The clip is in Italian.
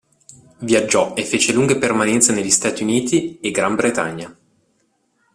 Viaggiò e fece lunghe permanenze negli Stati Uniti e Gran Bretagna.